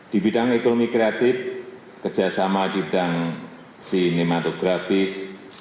di bidang ekonomi kreatif kerjasama di bidang sinematografis